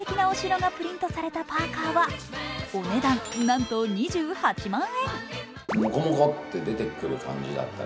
こちら、作品の代表的なお城がプリントされたパーカはお値段、なんと２８万円。